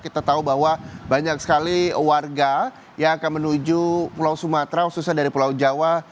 kita tahu bahwa banyak sekali warga yang akan menuju pulau sumatera khususnya dari pulau jawa